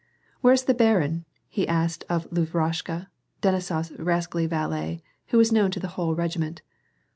" Where's the barin ?" he asked of Lavrushka, Denisof s rascally valet, who was known to the whole regiment.